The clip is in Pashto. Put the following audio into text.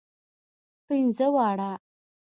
پنځه واړه.